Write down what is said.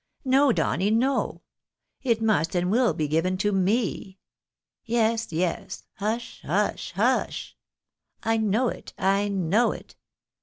N"o, Donny, no. It must and wiU be given to me. Yes, yes ; hush, hush, hush. I know it, I know it.